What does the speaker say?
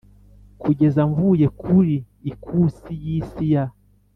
kugeza mvuye kuri ikuri yisi ya